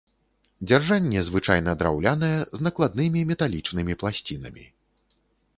Дзяржанне звычайна драўлянае з накладнымі металічнымі пласцінамі.